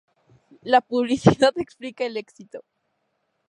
La publicidad explica el éxito